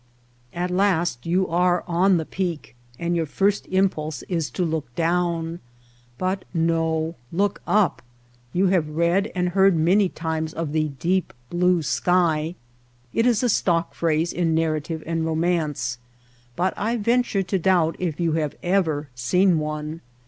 At last you are on the peak and your first impulse is to look down. But no. Look up ! You have read and heard many times of the ^^ deep blue sky/^ It is a stock phrase in nar rative and romance ; but I venture to doubt if you have ever seen one.